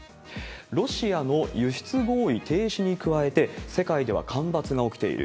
ロシアの輸出合意停止に加えて、世界では干ばつが起きている。